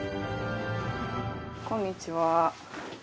こんにちは。